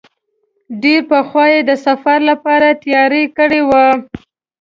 ډېر پخوا یې د سفر لپاره تیاری کړی و.